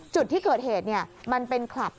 จุดที่เกิดเหตุมันเป็นคลับ